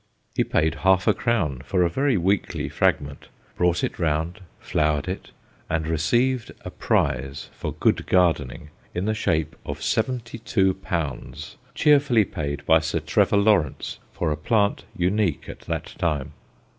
He paid half a crown for a very weakly fragment, brought it round, flowered it, and received a prize for good gardening in the shape of seventy two pounds, cheerfully paid by Sir Trevor Lawrence for a plant unique at that time.